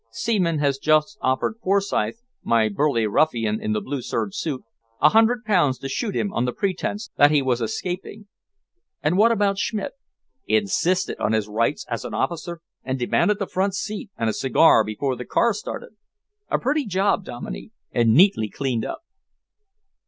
"Seaman has just offered Forsyth, my burly ruffian in the blue serge suit, a hundred pounds to shoot him on the pretence that he was escaping." "And what about Schmidt?" "Insisted on his rights as an officer and demanded the front seat and a cigar before the car started! A pretty job, Dominey, and neatly cleaned up."